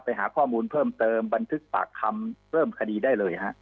ไปหาข้อมูลเพิ่มเติมบันทึกปากคำเพิ่มคดีได้เลยฮะ